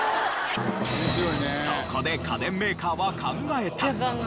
そこで家電メーカーは考えた。